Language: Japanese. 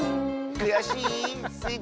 くやしい。